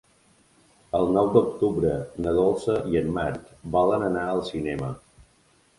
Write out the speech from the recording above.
El nou d'octubre na Dolça i en Marc volen anar al cinema.